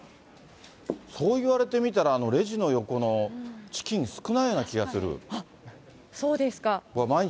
そう言われてみたら、レジの横のチキン、少ないような気がすそうですか。